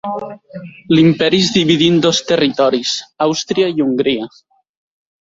L'Imperi es dividí en dos territoris, Àustria i Hongria.